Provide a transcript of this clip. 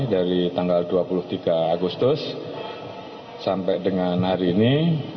dari tanggal dua puluh tiga agustus sampai dengan hari ini